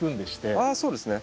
あそうですね。